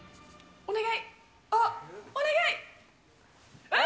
お願い。